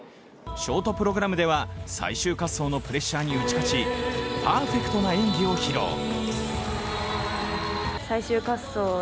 ショートプログラムでは最終滑走のプレッシャーに打ち勝ちパーフェクトな演技を披露。